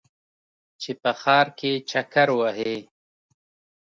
چې په ښار کې چکر وهې.